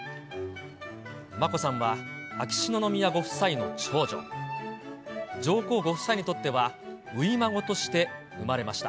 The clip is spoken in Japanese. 眞子さんは秋篠宮ご夫妻の長女、上皇ご夫妻にとっては初孫として生まれました。